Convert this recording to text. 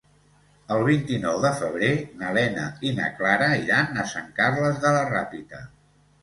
El vint-i-nou de febrer na Lena i na Clara iran a Sant Carles de la Ràpita.